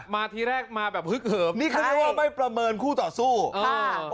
มาทีแรกมาแบบเฮอบนี่คือไม่ประเมินคู่ต่อสู้อ่า